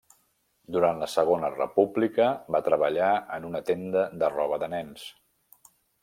Durant la segona República va treballar en una tenda de roba de nens.